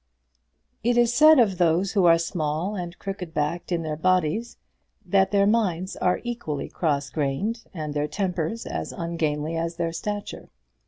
It is said of those who are small and crooked backed in their bodies, that their minds are equally cross grained and their tempers as ungainly as their stature.